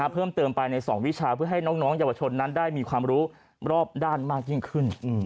เพิ่มเติมไปใน๒วิชาเพื่อให้น้องเยาวชนนั้นได้มีความรู้รอบด้านมากยิ่งขึ้น